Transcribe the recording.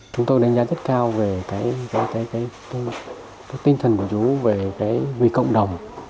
chúng tôi đánh giá rất cao về tinh thần của chú về cộng đồng